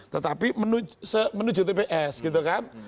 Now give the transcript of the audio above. tetapi menuju tps gitu kan